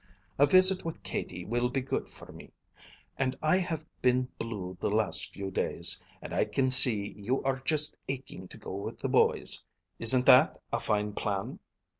A visit with Katie will be good for me; I have been blue the last few days, and I can see you are just aching to go with the boys. Isn't that a fine plan?"